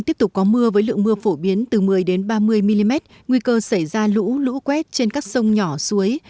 tiếp tục có mưa với lượng mưa phổ biến từ một mươi ba mươi mm nguy cơ xảy ra lũ lũ quét trên các sông nhỏ suối